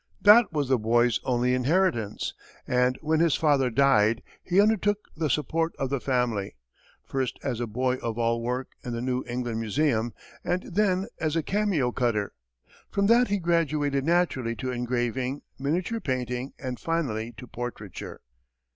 That was the boy's only inheritance, and when his father died, he undertook the support of the family, first as a boy of all work in the New England Museum, and then as a cameo cutter. From that he graduated naturally to engraving, miniature painting, and finally to portraiture.